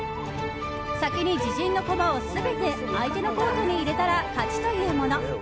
先に自陣の駒を全て相手のコートに入れたら勝ちというもの。